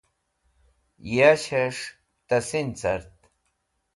Yas̃hẽs̃h tẽsin cart.